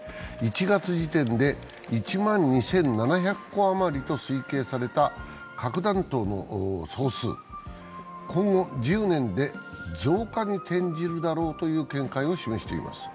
１月時点で１万２７００個あまりと推計された核弾頭の総数、今後１０年で増加に転じるだろうという見解を示しています。